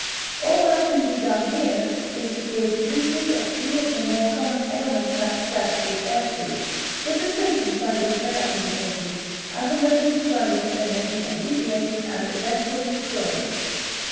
All that can be done here is to give briefly a few of the more common ailments "that flesh is heir to," with the symptoms by which they are indicated, and the medicines by which they may be alleviated and eventually cured.